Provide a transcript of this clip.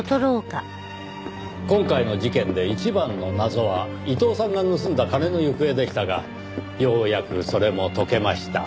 今回の事件で一番の謎は伊藤さんが盗んだ金の行方でしたがようやくそれも解けました。